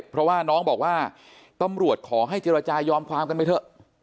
เพราะว่าน้องบอกว่าตำรวจขอให้เจรจายอมความกันไปเถอะ